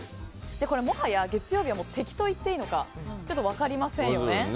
もはや月曜日は敵と言っていいのかちょっと分かりませんよね。